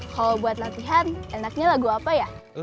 kalau buat latihan enaknya lagu apa ya